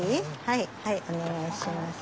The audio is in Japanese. はいはいお願いします。